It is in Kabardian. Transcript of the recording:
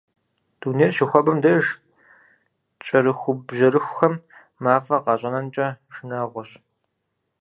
Дунейр щыхуабэм деж кӏэрыхубжьэрыхухэм мафӏэ къащӏэнэнкӏэ шынагъуэщ.